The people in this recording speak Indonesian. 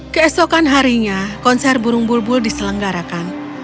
keesokan harinya konser burung bulbul diselenggarakan